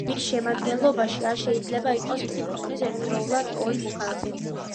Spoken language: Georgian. მის შემადგენლობაში არ შეიძლება იყოს ერთი ქვეყნის ერთდროულად ორი მოქალაქე.